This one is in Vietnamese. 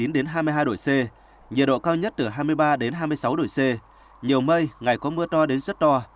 nhiệt độ cao nhất từ hai mươi ba hai mươi sáu độ c nhiều mây ngày có mưa to đến giấc to